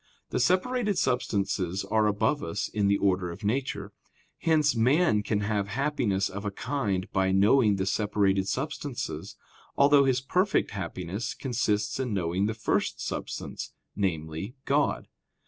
The separated substances are above us in the order of nature; hence man can have happiness of a kind by knowing the separated substances, although his perfect happiness consists in knowing the first substance, namely, God.